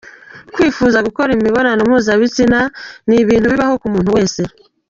Kwifuza gukora imibonano mpuzabitsina ni ibintu bibaho ku muntu wese.